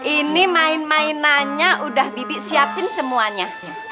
ini main mainannya udah bibi siapin semuanya